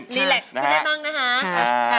แล็กซ์ขึ้นได้บ้างนะคะ